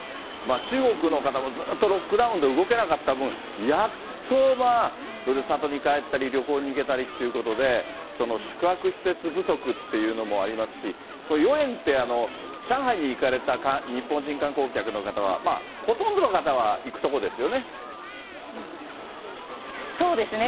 中国の方もずっとロックダウンで動けなかった分、やっとふるさとに帰ったり、旅行に行けたりっていうことで、宿泊施設不足っていうのもありますし、豫園って、あの、上海に行かれた日本人観光客の方は、ほとんどの方は行くとこですそうですね。